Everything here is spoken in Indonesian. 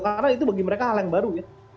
karena itu bagi mereka hal yang baru ya